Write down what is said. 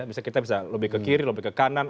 bisa kita bisa lebih ke kiri lebih ke kanan